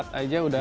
satu aja udah